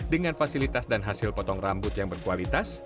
dengan fasilitas dan hasil potong rambut yang berkualitas